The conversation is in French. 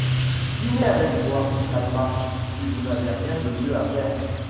Dînez avec moi, Talma, si vous n'avez rien de mieux à faire.